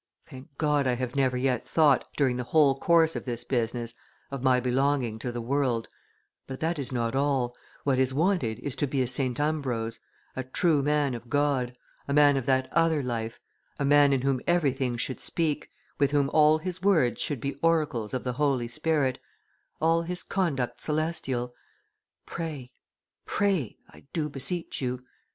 Thank God, I have never yet thought, during the whole course of this business, of my belonging to the world; but that is not all; what is wanted is to be a St. Ambrose, a true man of God, a man of that other life, a man in whom everything should speak, with whom all his words should be oracles of the Holy Spirit, all his conduct celestial; pray, pray, I do beseech you."